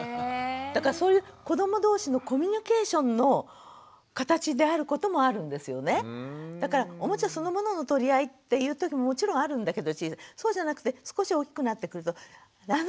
だからそういう子ども同士のコミュニケーションの形であることもあるんですよね。だからおもちゃそのものの取り合いっていうときももちろんあるんだけどそうじゃなくて少し大きくなってくるとあの子の。